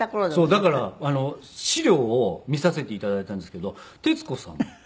だから資料を見させて頂いたんですけど徹子さん。